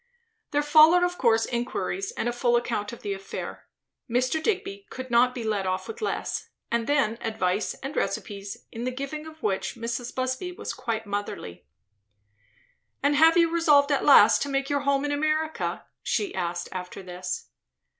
There followed of course inquiries and a full account of the affair. Mr. Digby could not be let off with less; and then advice and recipes, in the giving of which Mrs. Busby was quite motherly. "And have you resolved at last to make your home in America?" she asked after this.